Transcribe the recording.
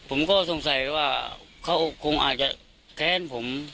ผมก็สงสัยว่าเขาคงอาจจะแค้นผม